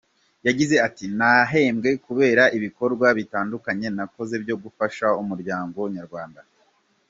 Yagize ati “Nahembwe kubera ibikorwa bitandukanye nakoze byo gufasha umuryango nyarwanda.